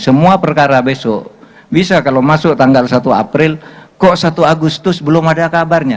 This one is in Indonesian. semua perkara besok bisa kalau masuk tanggal satu april kok satu agustus belum ada kabarnya